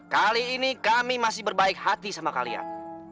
kali ini kami masih berbaik hati sama kalian